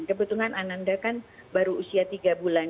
kebetulan ananda kan baru usia tiga bulan